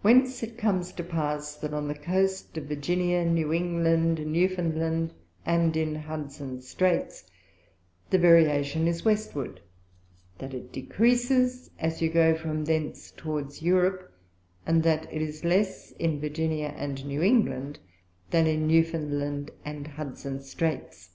Whence it comes to pass, that on the Coast of Virginia, New England, New found Land, and in Hudson's Straights the Variation is Westward; that it decreases as you go from thence towards Europe, and that it is less in Virginia and New England, than in New found Land, and Hudson's Straights.